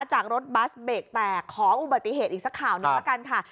จากรถบัสเบรกแตกขออุบัติเหตุอีกสักข่าวหนึ่งละกันค่ะ